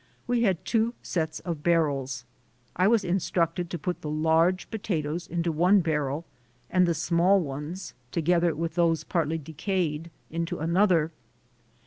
We had two sets of barrels ; I was instructed to put the large potatoes into one barrel and the small ones, together with those partly decayed, into another.